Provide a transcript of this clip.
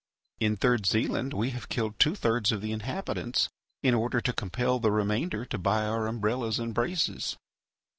In Third Zealand we have killed two thirds of the inhabitants in order to compel the remainder to buy our umbrellas and braces."